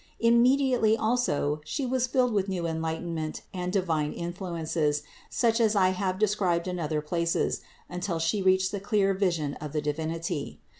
Immediately also She was filled with new enlightenment and divine influences, such as I have described in other places, until She reached the clear vision of the Divinity.